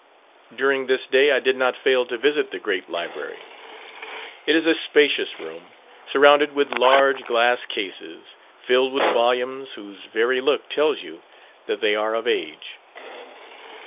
During this day I did not fail to visit the great Library. It is a spacious room, surrounded with large glass cases filled with volumes, whose very look tells you that they are of age.